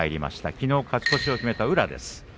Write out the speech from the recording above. きのう勝ち越しを決めた宇良です。